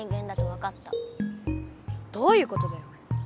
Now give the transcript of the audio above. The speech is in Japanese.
どういうことだよ？